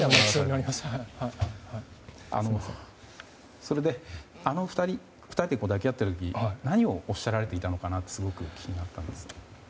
それで、２人で抱き合っている時に何をおっしゃられていたのかすごく気になったんですが。